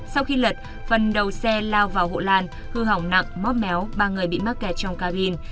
sau khi lật phần đầu xe lao vào hộ lan hư hỏng nặng móc méo ba người bị mắc kẹt trong carin